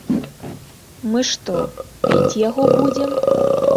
Мы што, піць яго будзем?!